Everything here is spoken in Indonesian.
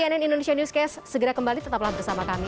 dan cnn indonesia newscast segera kembali tetaplah bersama kami